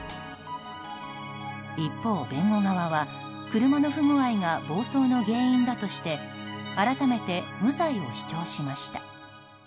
一方、弁護側は車の不具合が暴走の原因だとして改めて無罪を主張しました。